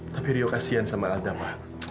tapi rio kasian sama aldama